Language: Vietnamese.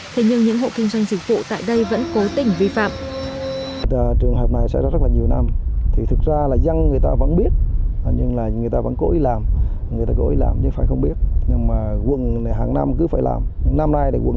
thế nhưng những hộ kinh doanh dịch vụ tại đây vẫn cố tình vi phạm